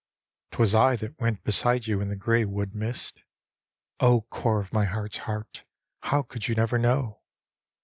Twas I that went beside you in the gray wood mist (O core of my heart's heart, how could you never know?)